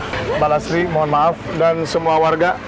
mbak lasri mohon maaf dan semua warga